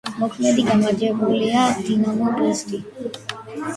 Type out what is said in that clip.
მოქმედი გამარჯვებულია „დინამო ბრესტი“.